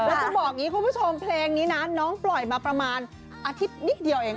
แล้วจะบอกอย่างนี้คุณผู้ชมเพลงนี้นะน้องปล่อยมาประมาณอาทิตย์นิดเดียวเอง